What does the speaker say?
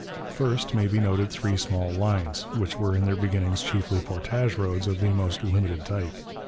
First may be noted three small lines, which were in their beginnings chiefly portage roads of the most limited type.